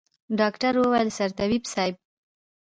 ډاکتر وويل سرطبيب صايب.